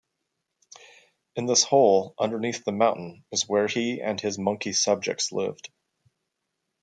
In this hole, underneath the mountain is where he and his monkey subjects lived.